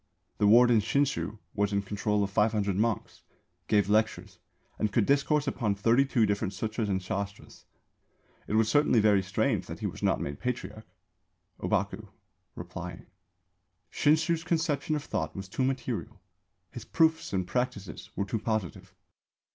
The warden Shinshū was in control of 500 monks, gave lectures, and could discourse upon thirty two different Sūtras and Shāstras. It was certainly very strange that he was not made Patriarch. Ōbaku (replying). Shinshū's conception of Thought was too material. His proofs and practices were too positive.